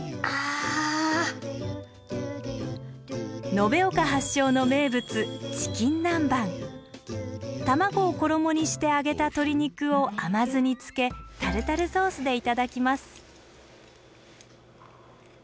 延岡発祥の名物卵を衣にして揚げた鶏肉を甘酢につけタルタルソースで頂きます。